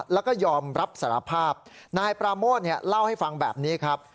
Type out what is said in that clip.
แล้วก็ยอมรับสารภาพนายปราโมทเล่าให้ฟังแบบนี้ครับ